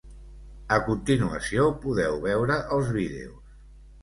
A continuació podeu veure els vídeos.